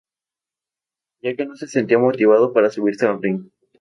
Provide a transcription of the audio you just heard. Ya que no se sentía motivado para subirse al ring.